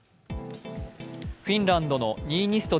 フィンランドのニーニスト